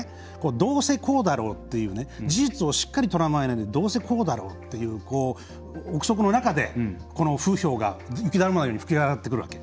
どうせこうだろうという事実をしっかり捉えないでどうせこうだろうって憶測の中でこの風評が雪だるまのように膨れ上がってくるわけ。